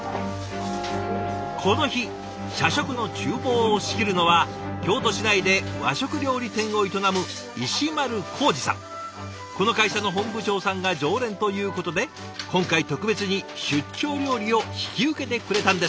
この日社食のちゅう房を仕切るのは京都市内で和食料理店を営むこの会社の本部長さんが常連ということで今回特別に出張料理を引き受けてくれたんですって。